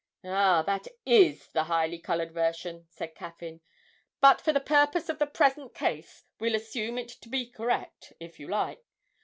'Ah, that is the highly coloured version,' said Caffyn, 'but for the purposes of the present case we'll assume it to be correct, if you like.